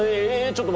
⁉ちょっと！